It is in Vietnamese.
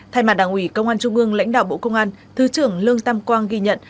thay mặt đảng ủy công an trung ương lãnh đạo bộ công an thứ trưởng lương tam quang ghi nhận